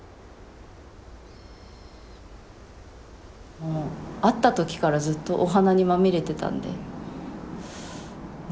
もう会った時からずっとお花にまみれてたんでね